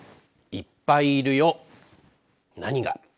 いっぱいいるよ何が。